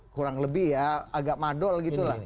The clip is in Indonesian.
kurang lebih ya agak madol gitu lah